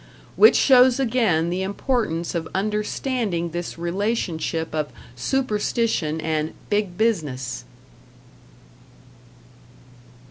Which shows again the importance of understanding this relationship of Superstition and Big Business!